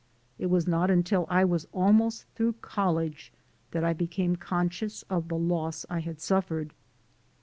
It was not until I was almost through college that I became conscious of the loss I had suffered.